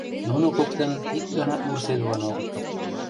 Нуно коктын ик ганат вурседылын огытыл.